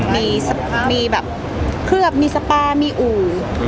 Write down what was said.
มีแบบเคลือบมีสปามีอู่